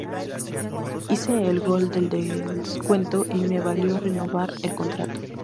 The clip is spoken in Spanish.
Hice el gol del descuento y me valió renovar el contrato.